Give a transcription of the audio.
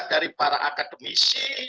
dari para akademisi